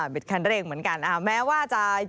บิดคันเร่งเหมือนกันแม้ว่าจะ